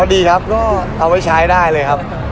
ดีครับก็เอาไว้ใช้ได้เลยครับ